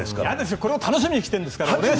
これを楽しみにしてるんですから。